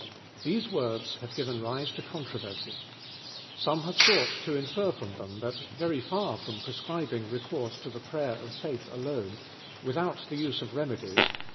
These words have given rise to controversy. Some liave Bought to infer from them that, very far from prescribing ree so to the prayer or faith al< , withont the use of remedies, St.